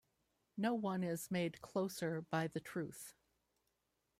No one is made "closer" by the truth.